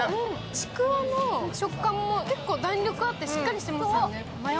ちくわも、食感も結構弾力あってしっかりしてますよね。